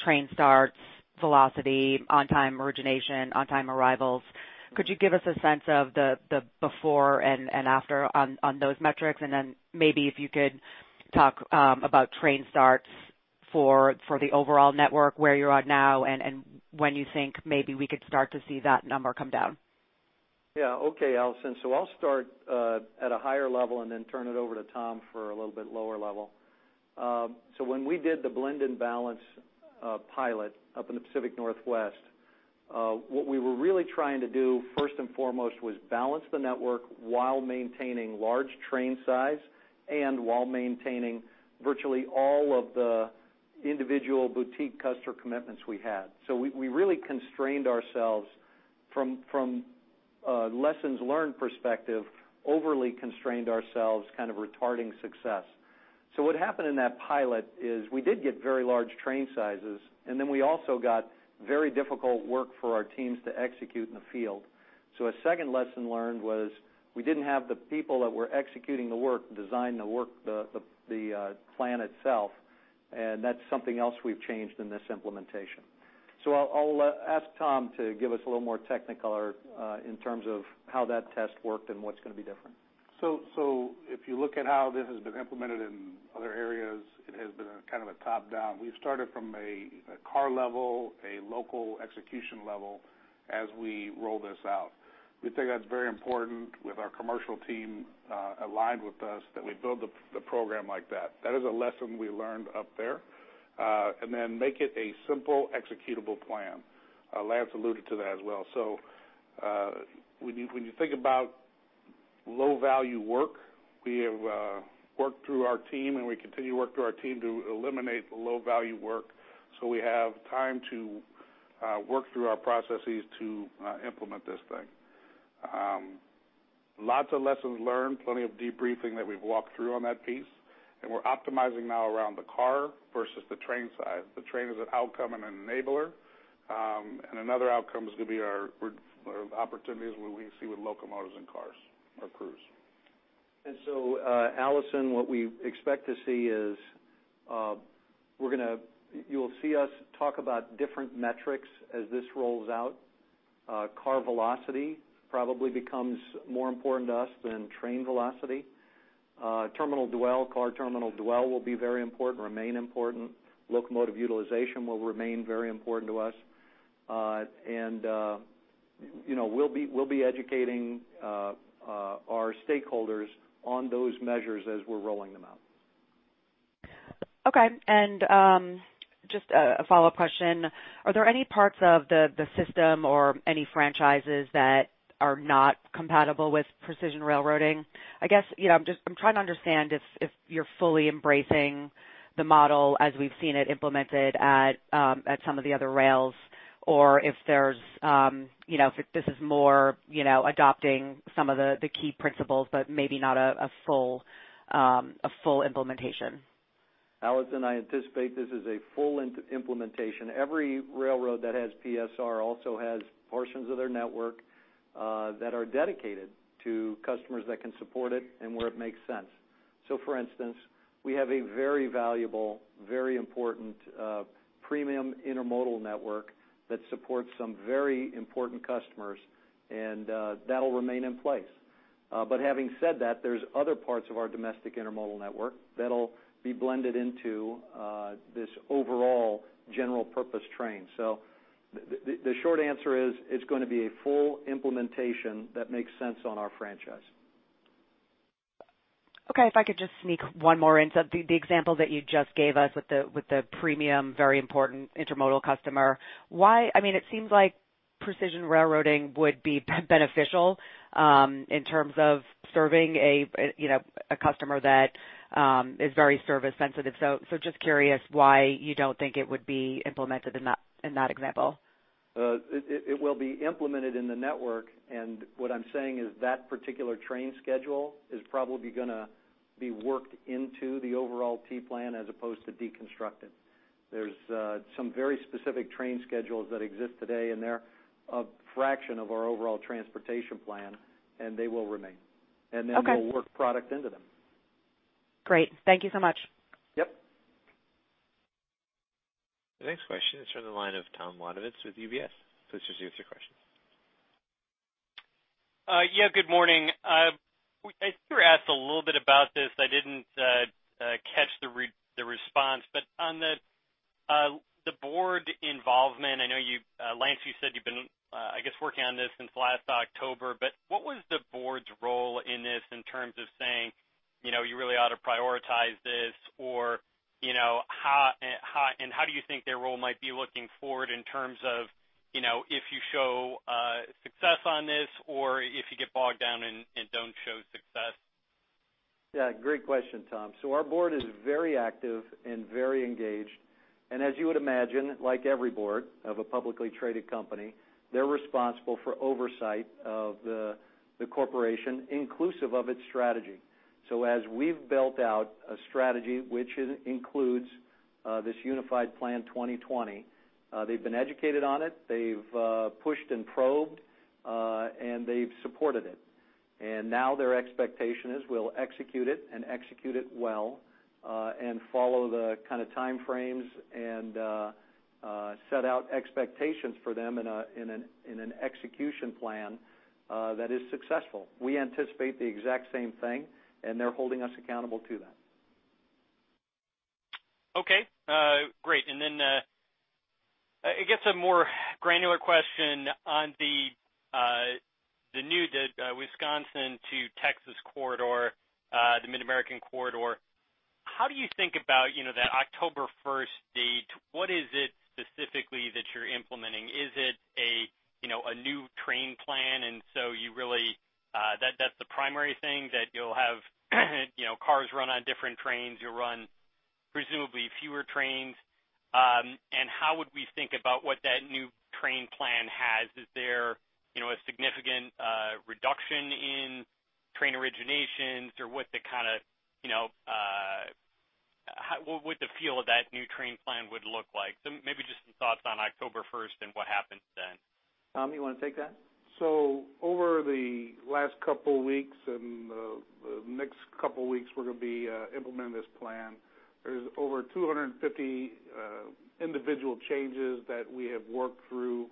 Train starts, velocity, on-time origination, on-time arrivals. Could you give us a sense of the before and after on those metrics? And then maybe if you could talk about train starts for the overall network, where you're at now and when you think maybe we could start to see that number come down. Okay, Allison. I'll start at a higher level and then turn it over to Tom for a little bit lower level. When we did the Blend and Balance pilot up in the Pacific Northwest, what we were really trying to do, first and foremost, was balance the network while maintaining large train size and while maintaining virtually all of the individual boutique customer commitments we had. We really constrained ourselves from a lessons learned perspective, overly constrained ourselves, kind of retarding success. What happened in that pilot is we did get very large train sizes, and then we also got very difficult work for our teams to execute in the field. A second lesson learned was we didn't have the people that were executing the work design the work, the plan itself, and that's something else we've changed in this implementation. I'll ask Tom to give us a little more technicolor in terms of how that test worked and what's going to be different. If you look at how this has been implemented in other areas, it has been a kind of a top-down. We've started from a car level, a local execution level as we roll this out. We think that's very important with our commercial team aligned with us, that we build the program like that. That is a lesson we learned up there. Then make it a simple executable plan. Lance alluded to that as well. When you think about low-value work, we have worked through our team, and we continue to work through our team to eliminate the low-value work, so we have time to work through our processes to implement this thing. Lots of lessons learned, plenty of debriefing that we've walked through on that piece, and we're optimizing now around the car versus the train side. The train is an outcome and an enabler. Another outcome is going to be our opportunities where we see with locomotives and cars or crews. Allison, what we expect to see is, you'll see us talk about different metrics as this rolls out. Car velocity probably becomes more important to us than train velocity. Terminal dwell, car terminal dwell will be very important, remain important. Locomotive utilization will remain very important to us. We'll be educating our stakeholders on those measures as we're rolling them out. Just a follow-up question, are there any parts of the system or any franchises that are not compatible with Precision Railroading? I guess, I'm trying to understand if you're fully embracing the model as we've seen it implemented at some of the other rails, or if this is more adopting some of the key principles, but maybe not a full implementation. Allison, I anticipate this is a full implementation. Every railroad that has PSR also has portions of their network that are dedicated to customers that can support it and where it makes sense. For instance, we have a very valuable, very important premium intermodal network that supports some very important customers, and that'll remain in place. Having said that, there's other parts of our domestic intermodal network that'll be blended into this overall general purpose train. The short answer is, it's going to be a full implementation that makes sense on our franchise. Okay. If I could just sneak one more in. The example that you just gave us with the premium, very important intermodal customer. It seems like Precision Railroading would be beneficial in terms of serving a customer that is very service sensitive. Just curious why you don't think it would be implemented in that example. It will be implemented in the network, what I'm saying is that particular train schedule is probably gonna be worked into the overall transportation plan as opposed to deconstructed. There's some very specific train schedules that exist today, they're a fraction of our overall transportation plan, they will remain. Okay. We'll work product into them. Great. Thank you so much. Yep. The next question is from the line of Tom Wadewitz with UBS. Please just state your question. Yeah, good morning. You were asked a little bit about this. I didn't catch the response, but on the board involvement, I know, Lance, you said you've been, I guess, working on this since last October, but what was the board's role in this in terms of saying, you really ought to prioritize this, and how do you think their role might be looking forward in terms of, if you show success on this or if you get bogged down and don't show success? Great question, Tom. Our board is very active and very engaged, and as you would imagine, like every board of a publicly traded company, they're responsible for oversight of the corporation, inclusive of its strategy. As we've built out a strategy, which includes this Unified Plan 2020, they've been educated on it, they've pushed and probed, and they've supported it. Now their expectation is we'll execute it and execute it well, and follow the kind of time frames and set out expectations for them in an execution plan that is successful. We anticipate the exact same thing, and they're holding us accountable to that. Okay, great. I guess, a more granular question on the new Wisconsin to Texas corridor, the Mid-American corridor. How do you think about that October 1st date? What is it specifically that you're implementing? Is it a new train plan, that's the primary thing that you'll have cars run on different trains, you'll run presumably fewer trains? How would we think about what that new train plan has? Is there a significant reduction in train originations, or what the feel of that new train plan would look like? Maybe just some thoughts on October 1st and what happens then. Tom, you want to take that? Over the last couple weeks and the next couple weeks, we're going to be implementing this plan. There's over 250 individual changes that we have worked through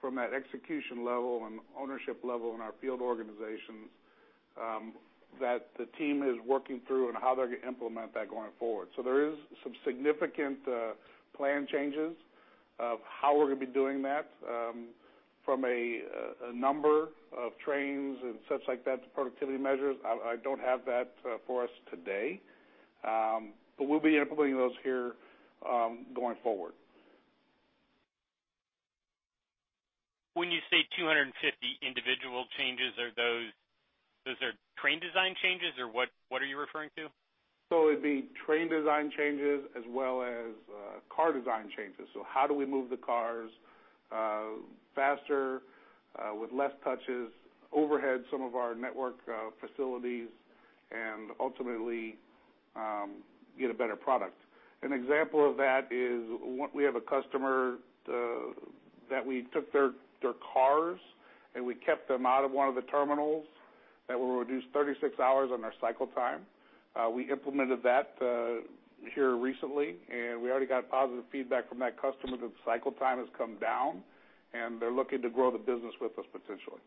from that execution level and ownership level in our field organizations, that the team is working through on how they're going to implement that going forward. There is some significant plan changes of how we're going to be doing that, from a number of trains and such like that to productivity measures. I don't have that for us today. We'll be implementing those here, going forward. When you say 250 individual changes, are those train design changes or what are you referring to? It'd be train design changes as well as car design changes. How do we move the cars faster, with less touches overhead some of our network facilities and ultimately, get a better product. An example of that is we have a customer that we took their cars, and we kept them out of one of the terminals that will reduce 36 hours on their cycle time. We implemented that here recently, and we already got positive feedback from that customer that the cycle time has come down, and they're looking to grow the business with us potentially.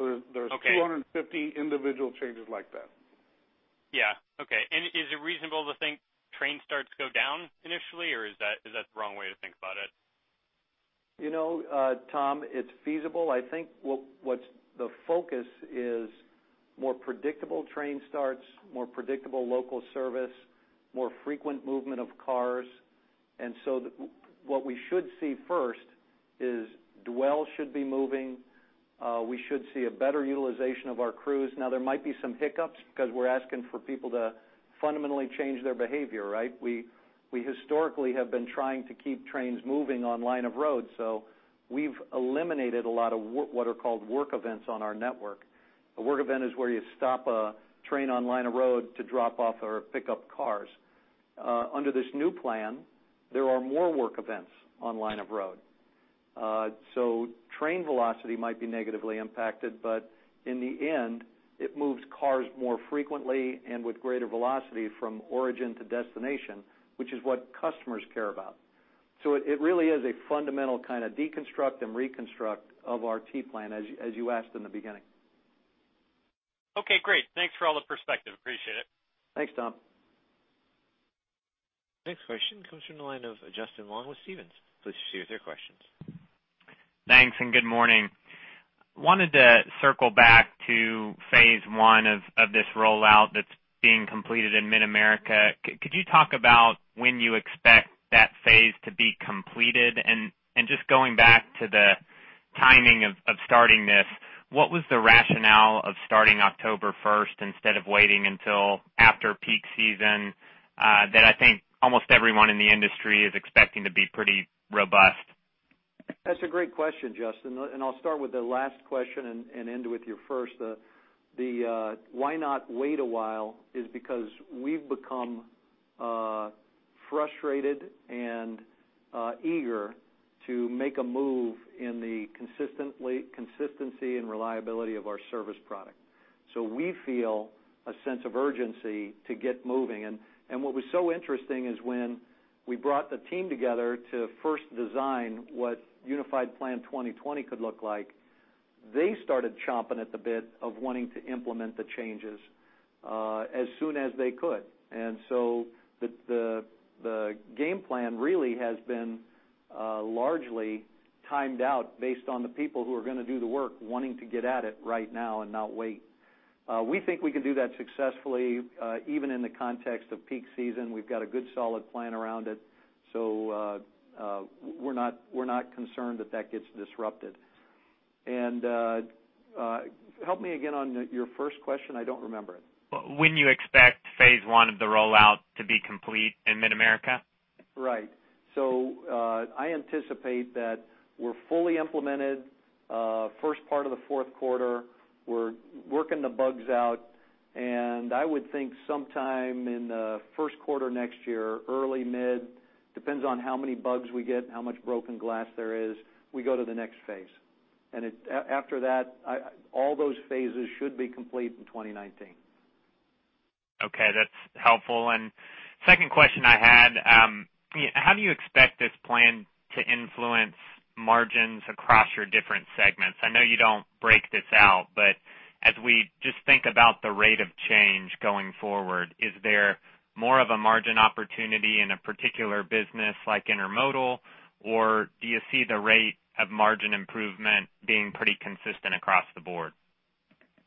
Okay. There's 250 individual changes like that. Yeah. Okay. Is it reasonable to think train starts go down initially, or is that the wrong way to think about it? Tom, it's feasible. I think what the focus is more predictable train starts, more predictable local service, more frequent movement of cars. What we should see first is dwells should be moving. We should see a better utilization of our crews. Now, there might be some hiccups because we're asking for people to fundamentally change their behavior, right? We historically have been trying to keep trains moving on line of road, so we've eliminated a lot of what are called work events on our network. A work event is where you stop a train on line of road to drop off or pick up cars. Under this new plan, there are more work events on line of road. Train velocity might be negatively impacted, but in the end, it moves cars more frequently and with greater velocity from origin to destination, which is what customers care about. It really is a fundamental kind of deconstruct and reconstruct of our transportation plan, as you asked in the beginning. Okay, great. Thanks for all the perspective. Appreciate it. Thanks, Tom. Next question comes from the line of Justin Long with Stephens. Please proceed with your questions. Thanks. Good morning. Wanted to circle back to phase 1 of this rollout that's being completed in Mid-America. Could you talk about when you expect that phase to be completed? Just going back to the timing of starting this, what was the rationale of starting October 1st instead of waiting until after peak season, that I think almost everyone in the industry is expecting to be pretty robust? That's a great question, Justin. I'll start with the last question and end with your first. The why not wait a while is because we've become frustrated and eager to make a move in the consistency and reliability of our service product. We feel a sense of urgency to get moving. What was so interesting is when we brought the team together to first design what Unified Plan 2020 could look like, they started chomping at the bit of wanting to implement the changes as soon as they could. The game plan really has been largely timed out based on the people who are going to do the work, wanting to get at it right now and not wait. We think we can do that successfully, even in the context of peak season. We've got a good solid plan around it. We're not concerned that that gets disrupted. Help me again on your first question. I don't remember it. When you expect phase one of the rollout to be complete in Mid-America? Right. I anticipate that we're fully implemented first part of the fourth quarter. We're working the bugs out, and I would think sometime in the first quarter next year, early mid, depends on how many bugs we get and how much broken glass there is, we go to the next phase. After that, all those phases should be complete in 2019. Okay, that's helpful. Second question I had, how do you expect this plan to influence margins across your different segments? I know you don't break this out, but as we just think about the rate of change going forward, is there more of a margin opportunity in a particular business like intermodal, or do you see the rate of margin improvement being pretty consistent across the board?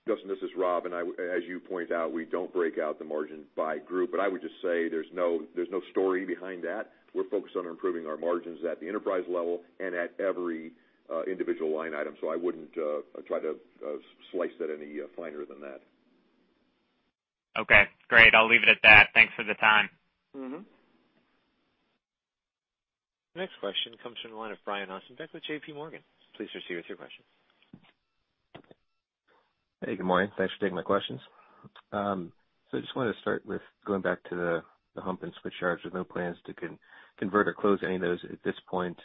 Justin, this is Rob, and as you point out, we don't break out the margin by group, but I would just say there's no story behind that. We're focused on improving our margins at the enterprise level and at every individual line item. I wouldn't try to slice that any finer than that. Okay, great. I'll leave it at that. Thanks for the time. Next question comes from the line of Brian Ossenbeck with J.P. Morgan. Please proceed with your question. Hey, good morning. Thanks for taking my questions. I just wanted to start with going back to the hump and switch yards. There are no plans to convert or close any of those at this point?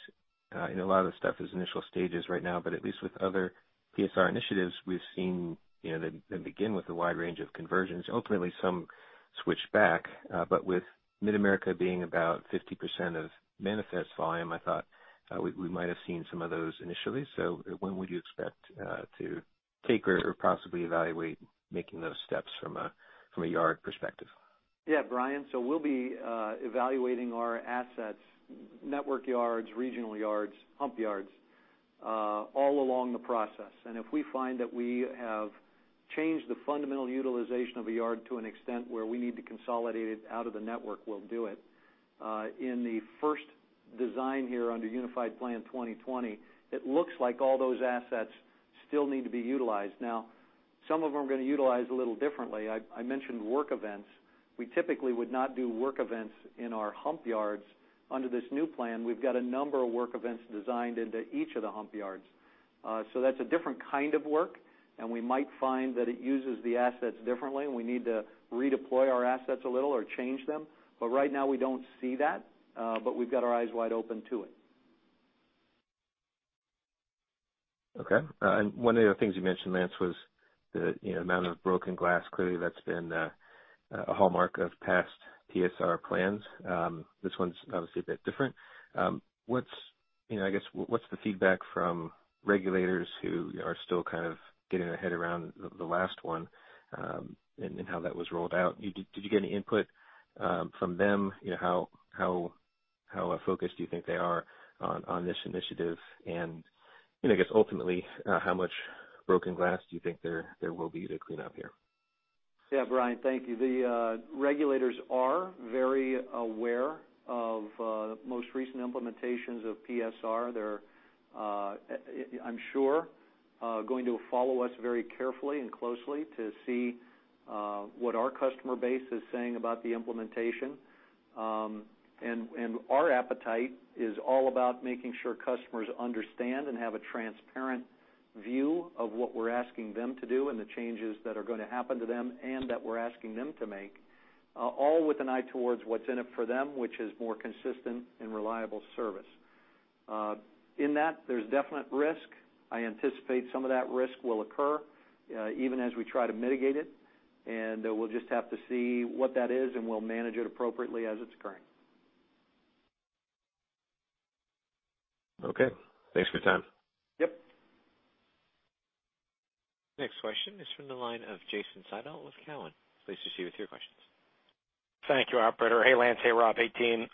I know a lot of this stuff is initial stages right now, but at least with other PSR initiatives, we've seen they begin with a wide range of conversions. Ultimately, some switch back, but with Mid-America being about 50% of manifest volume, I thought we might have seen some of those initially. When would you expect to take or possibly evaluate making those steps from a yard perspective? Brian, we'll be evaluating our assets, network yards, regional yards, hump yards, all along the process. If we find that we have changed the fundamental utilization of a yard to an extent where we need to consolidate it out of the network, we'll do it. In the first design here under Unified Plan 2020, it looks like all those assets still need to be utilized. Now, some of them we're going to utilize a little differently. I mentioned work events. We typically would not do work events in our hump yards. Under this new plan, we've got a number of work events designed into each of the hump yards. That's a different kind of work, and we might find that it uses the assets differently, and we need to redeploy our assets a little or change them. Right now, we don't see that. We've got our eyes wide open to it. Okay. One of the other things you mentioned, Lance, was the amount of broken glass. Clearly, that's been a hallmark of past PSR plans. This one's obviously a bit different. What's the feedback from regulators who are still kind of getting their head around the last one, and how that was rolled out? Did you get any input from them? How focused do you think they are on this initiative? I guess, ultimately, how much broken glass do you think there will be to clean up here? Yeah, Brian, thank you. The regulators are very aware of most recent implementations of PSR. They're, I'm sure, going to follow us very carefully and closely to see what our customer base is saying about the implementation. Our appetite is all about making sure customers understand and have a transparent view of what we're asking them to do and the changes that are going to happen to them and that we're asking them to make, all with an eye towards what's in it for them, which is more consistent and reliable service. In that, there's definite risk. I anticipate some of that risk will occur, even as we try to mitigate it, and we'll just have to see what that is, and we'll manage it appropriately as it's occurring. Okay. Thanks for your time. Yep. Next question is from the line of Jason Seidl with Cowen. Please proceed with your questions. Thank you, operator. Hey, Lance. Hey, Rob. Hey, team.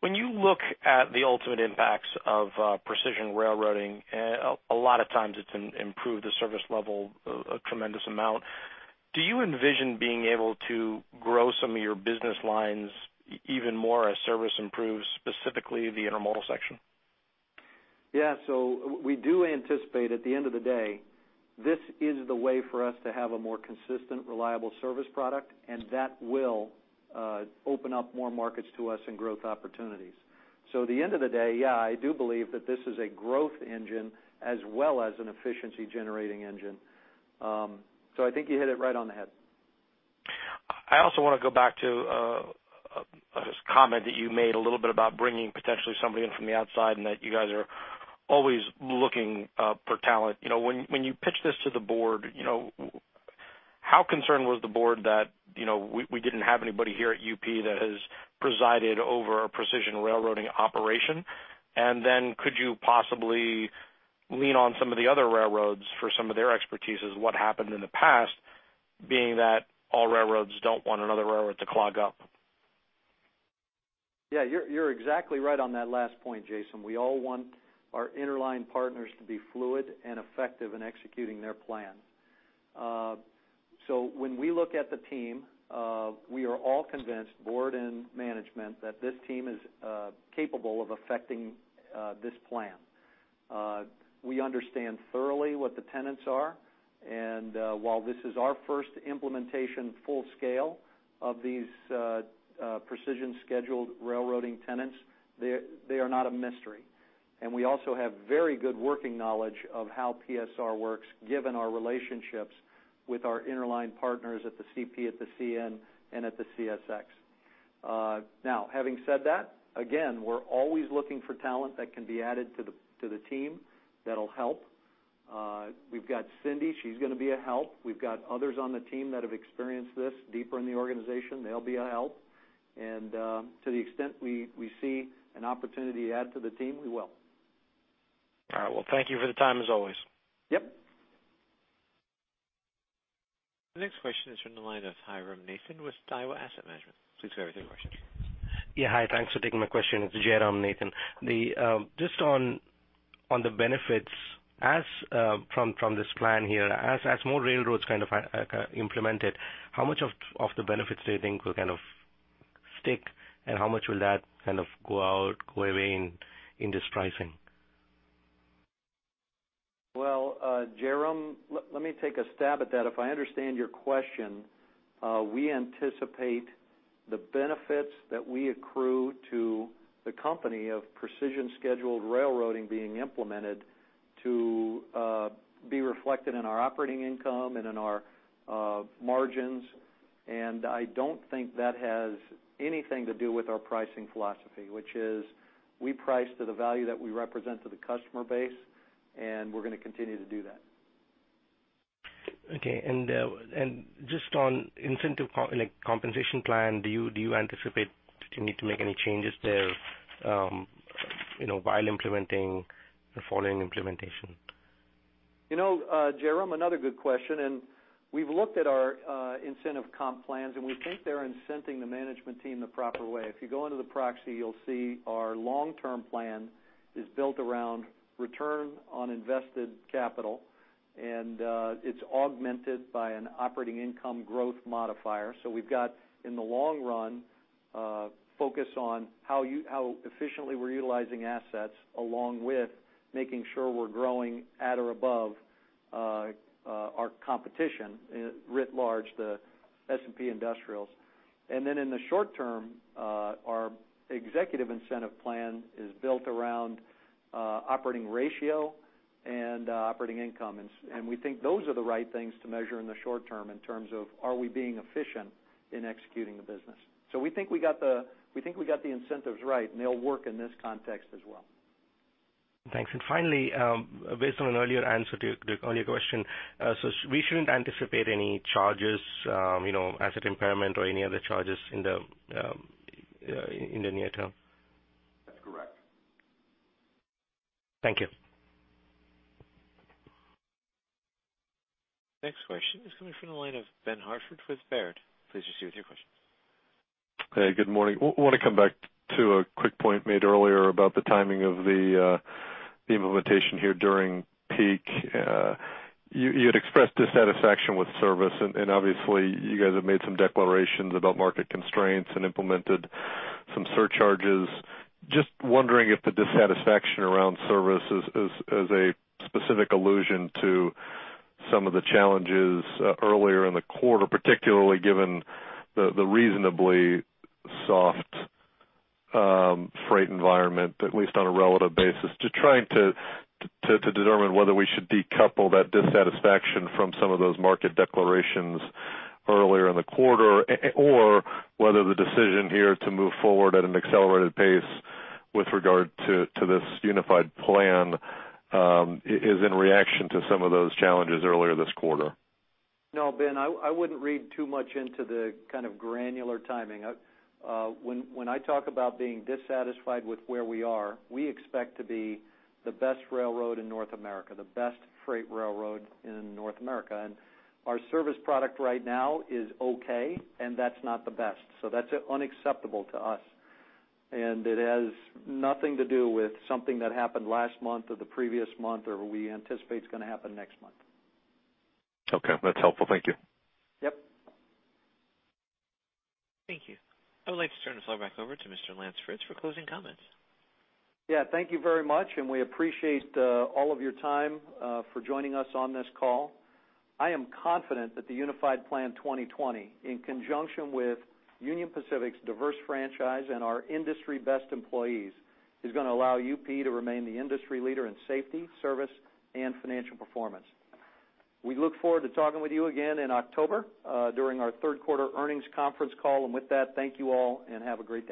When you look at the ultimate impacts of Precision Railroading, a lot of times it's improved the service level a tremendous amount. Do you envision being able to grow some of your business lines even more as service improves, specifically the intermodal section? Yeah, we do anticipate, at the end of the day, this is the way for us to have a more consistent, reliable service product, and that will open up more markets to us and growth opportunities. At the end of the day, yeah, I do believe that this is a growth engine as well as an efficiency-generating engine. I think you hit it right on the head. I also want to go back to a comment that you made a little bit about bringing potentially somebody in from the outside and that you guys are always looking for talent. When you pitched this to the board, how concerned was the board that we didn't have anybody here at UP that has presided over a precision railroading operation? Could you possibly lean on some of the other railroads for some of their expertise as what happened in the past, being that all railroads don't want another railroad to clog up? Yeah, you're exactly right on that last point, Jason. We all want our interline partners to be fluid and effective in executing their plan. When we look at the team, we are all convinced, board and management, that this team is capable of effecting this plan. We understand thoroughly what the tenets are, and while this is our first implementation full scale of these Precision Scheduled Railroading tenets, they are not a mystery. We also have very good working knowledge of how PSR works, given our relationships with our interline partners at the CP, at the CN, and at the CSX. Having said that, again, we're always looking for talent that can be added to the team that'll help. We've got Cindy, she's gonna be a help. We've got others on the team that have experienced this deeper in the organization, they'll be a help. To the extent we see an opportunity to add to the team, we will. All right. Well, thank you for the time as always. Yep. The next question is from the line of Jairam Nathan with Daiwa Asset Management. Please go ahead with your question. Yeah, hi. Thanks for taking my question. It's Jairam Nathan. Just on the benefits from this plan here, as more railroads kind of implement it, how much of the benefits do you think will kind of stick, and how much will that kind of go out, go away in this pricing? Well, Jairam, let me take a stab at that. If I understand your question, we anticipate the benefits that we accrue to the company of Precision Scheduled Railroading being implemented to be reflected in our operating income and in our margins. I don't think that has anything to do with our pricing philosophy, which is we price to the value that we represent to the customer base, and we're going to continue to do that. Okay. Just on incentive compensation plan, do you anticipate that you need to make any changes there while implementing the following implementation? Jairam, another good question, and we've looked at our incentive comp plans, and we think they're incenting the management team the proper way. If you go into the proxy, you'll see our long-term plan is built around return on invested capital, and it's augmented by an operating income growth modifier. We've got, in the long run, a focus on how efficiently we're utilizing assets, along with making sure we're growing at or above our competition, writ large, the S&P Industrials. Then in the short term, our executive incentive plan is built around operating ratio and operating income. We think those are the right things to measure in the short term in terms of, are we being efficient in executing the business? We think we got the incentives right, and they'll work in this context as well. Thanks. Finally, based on an earlier answer to the earlier question, we shouldn't anticipate any charges, asset impairment or any other charges in the near term? That's correct. Thank you. Next question is coming from the line of Ben Hartford with Baird. Please proceed with your question. Hey, good morning. I want to come back to a quick point made earlier about the timing of the implementation here during peak. You had expressed dissatisfaction with service. Obviously, you guys have made some declarations about market constraints and implemented some surcharges. Just wondering if the dissatisfaction around service is a specific allusion to some of the challenges earlier in the quarter, particularly given the reasonably soft freight environment, at least on a relative basis. Just trying to determine whether we should decouple that dissatisfaction from some of those market declarations earlier in the quarter, or whether the decision here to move forward at an accelerated pace with regard to this Unified Plan is in reaction to some of those challenges earlier this quarter. No, Ben, I wouldn't read too much into the kind of granular timing. When I talk about being dissatisfied with where we are, we expect to be the best railroad in North America, the best freight railroad in North America. Our service product right now is okay. That's not the best. That's unacceptable to us. It has nothing to do with something that happened last month or the previous month or we anticipate is going to happen next month. Okay. That's helpful. Thank you. Yep. Thank you. I would like to turn this floor back over to Mr. Lance Fritz for closing comments. Yeah. Thank you very much, and we appreciate all of your time for joining us on this call. I am confident that the Unified Plan 2020, in conjunction with Union Pacific's diverse franchise and our industry-best employees, is going to allow UP to remain the industry leader in safety, service, and financial performance. We look forward to talking with you again in October during our third quarter earnings conference call. With that, thank you all, and have a great day.